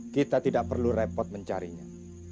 kita tidak perlu repot mencarinya